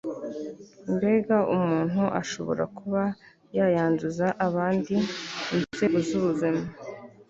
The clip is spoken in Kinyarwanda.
mbega umuntu ashobora kuba yayanduza abandi, inzego z' ubuzima